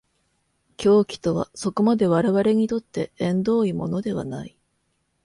狂気とはそこまで我々にとって縁遠いものではない。